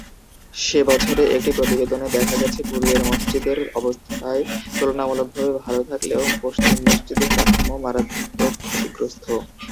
সে বছরে একটি প্রতিবেদনে দেখা গেছে পূর্বের মসজিদের অবস্থায় তুলনামূলকভাবে ভাল থাকলেও পশ্চিম মসজিদের কাঠামো মারাত্মক ক্ষতিগ্রস্ত।